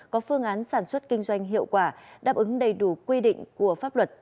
có phương án sản xuất kinh doanh hiệu quả đáp ứng đầy đủ quy định của pháp luật